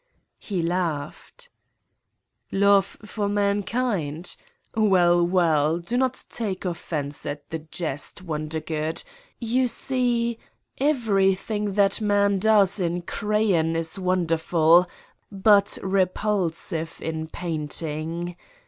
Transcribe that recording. ..." He laughed. "Love for mankind? ... Well, well, do not take offense at the jest, Wondergood. You see : everything that man does in crayon is wonderful but repulsive in painting.